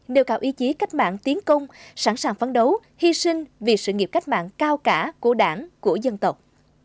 nêu cao ý chí cách mạng tiến công sẵn sàng phấn đấu hy sinh vì sự nghiệp cách mạng cao cả của đảng của dân tộc